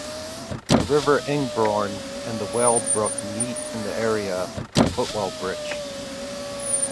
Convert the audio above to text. The River Ingrebourne and the Weald Brook meet in the area of Putwell Bridge.